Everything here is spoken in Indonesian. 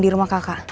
di rumah kakak